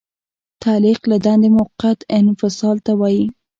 تعلیق له دندې موقت انفصال ته وایي.